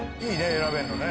選べんのね